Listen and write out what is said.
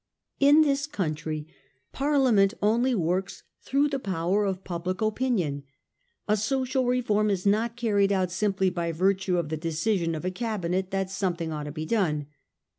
In this country, Parliament only works through the power of public opinion. A social reform is not carried out simply by virtue of the decision of a cabinet that something ought to be done.